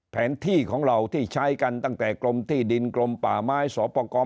แผนที่ของเราที่ใช้กันตั้งแต่กรมที่ดินกรมป่าไม้สอบประกอบ